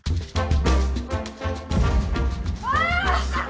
あ！